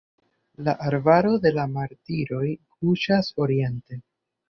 La arbaro de la martiroj kuŝas oriente.